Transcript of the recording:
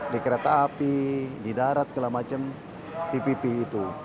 di kereta api di darat segala macam ppp itu